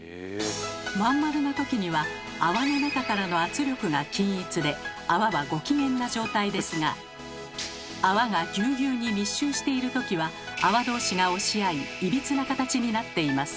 まん丸な時には泡の中からの圧力が均一で泡はご機嫌な状態ですが泡がぎゅうぎゅうに密集している時は泡どうしが押し合いいびつな形になっています。